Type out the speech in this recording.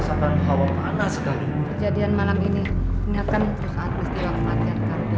sampai jumpa di video selanjutnya